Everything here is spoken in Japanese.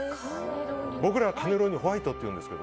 僕らはカネロニのホワイトというんですけど。